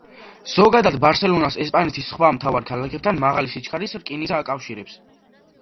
ზოგადად, ბარსელონას ესპანეთის სხვა მთავარ ქალაქებთან მაღალი სიჩქარის რკინიგზა აკავშირებს.